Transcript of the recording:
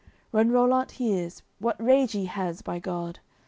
When Rollant hears, what rage he has, by God!